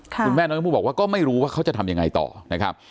คุณแม่น้องชมพู่บอกว่าก็ไม่รู้ว่าเขาจะทำยังไงต่อนะครับ